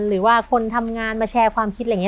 หรือว่าคนทำงานมาแชร์ความคิดแบบนี้